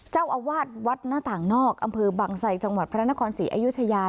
เจ้าอาวาสวัดหน้าต่างนอกอำเภอบังไสจังหวัดพระนครศรีอยุธยา